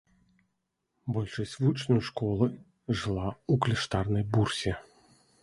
Большасць вучняў школы жыла ў кляштарнай бурсе.